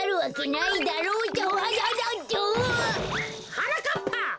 はなかっぱ！